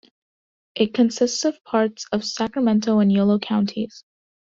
It consists of parts of Sacramento and Yolo counties.